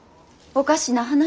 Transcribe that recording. おかしな話。